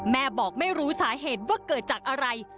บอกไม่รู้สาเหตุว่าเกิดจากอะไร